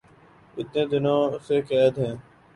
اتنے دنوں سے قید ہیں